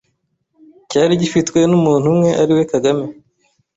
cyari gifitwe n’umuntu umwe ari we Kagame,